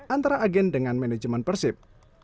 antara agen dengan manajemen persib